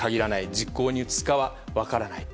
実行に移すかは分からない。